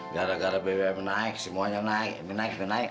gara gara bbm naik semuanya naik naik naik